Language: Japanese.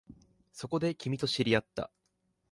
そこで、君と知り合った